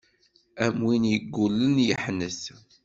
Am win yeggullen yeḥnet.